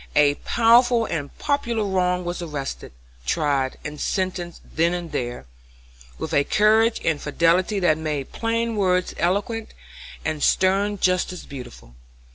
A powerful and popular wrong was arrested, tried, and sentenced then and there, with a courage and fidelity that made plain words eloquent, and stern justice beautiful.